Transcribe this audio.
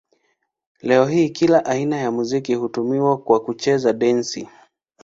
Leo hii kila aina ya muziki hutumiwa kwa kucheza dansi.